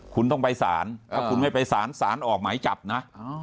คุณต้องไปสารถ้าคุณไม่ไปสารสารออกหมายจับนะ